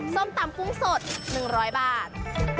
ส้มตำกุ้งสด๑๐๐บาท